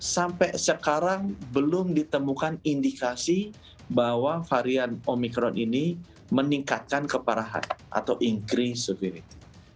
sampai sekarang belum ditemukan indikasi bahwa varian omikron ini meningkatkan keparahan atau increysiverity